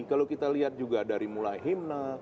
kalau kita lihat juga dari mulai himna